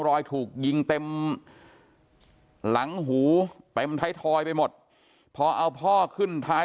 รอยถูกยิงเต็มหลังหูเต็มท้ายทอยไปหมดพอเอาพ่อขึ้นท้าย